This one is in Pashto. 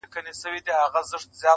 څه باندي درې میاشتي -